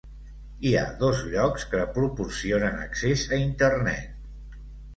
Hi ha dos llocs que proporcionen accés a internet.